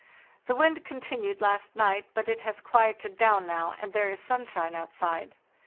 The wind continued last night, but it has quieted down now, and there is sunshine outside.